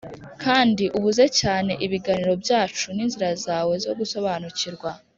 kandi ubuze cyane ibiganiro byacu n'inzira zawe zo gusobanukirwa,